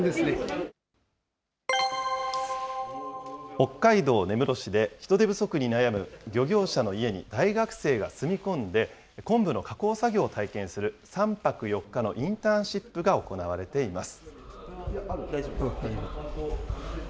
北海道根室市で、人手不足に悩む漁業者の家に大学生が住み込んで、昆布の加工作業を体験する３泊４日のインターンシップが行われています。